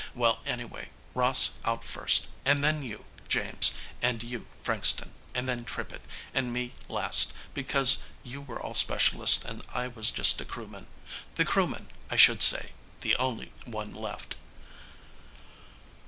Well, anyway, Ross out first, and then you, James, and you, Frankston, and then Trippitt, and me last, because you were all specialists and I was just a crewman. The crewman, I should say, the only one left.